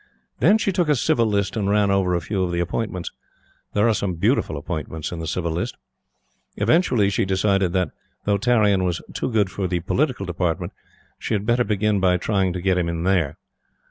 Then she took a Civil List and ran over a few of the appointments. There are some beautiful appointments in the Civil List. Eventually, she decided that, though Tarrion was too good for the Political Department, she had better begin by trying to get him in there.